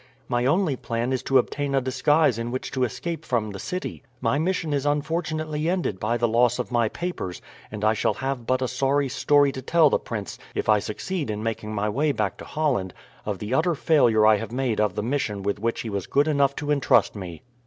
"My only plan is to obtain a disguise in which to escape from the city. My mission is unfortunately ended by the loss of my papers, and I shall have but a sorry story to tell to the prince if I succeed in making my way back to Holland, of the utter failure I have made of the mission with which he was good enough to intrust me."